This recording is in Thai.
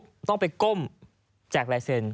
เป็นให้ก้มแจกลายเซ็น